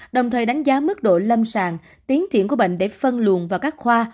đồng thời đánh giá mức độ lâm sàng tiến triển của bệnh để phân luồn vào các khoa